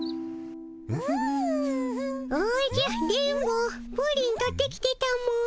おじゃ電ボプリン取ってきてたも。